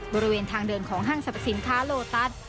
บริเวณทางเดินของห้างสรรพสินค้าโลตัส